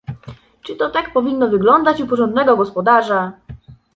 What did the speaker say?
"Czy to tak powinno wyglądać u porządnego gospodarza?"